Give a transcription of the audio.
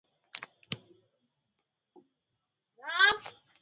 Watu walikuwa wakichukuliwa kutoka maeneo mbali mbali